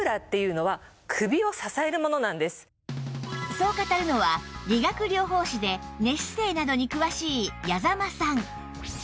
そう語るのは理学療法士で寝姿勢などに詳しい矢間さん